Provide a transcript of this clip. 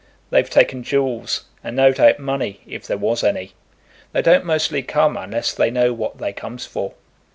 They've taken jewels, and, no doubt, money, if there was any. They don't mostly come unless they know what they comes for."